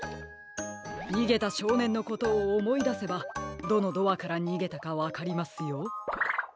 にげたしょうねんのことをおもいだせばどのドアからにげたかわかりますよ。